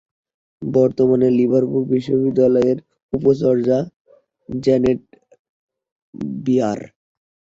বর্তমানে লিভারপুল বিশ্ববিদ্যালয়ের উপাচার্য জ্যানেট বিয়ার।